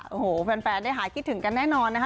โอ้โหแฟนได้หายคิดถึงกันแน่นอนนะคะ